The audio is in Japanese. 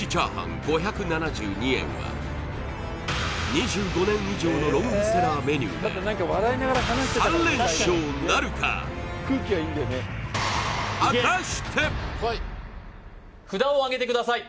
２５年以上のロングセラーメニューで３連勝なるか札をあげてください